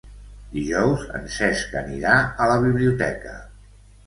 Dijous en Cesc anirà a la biblioteca.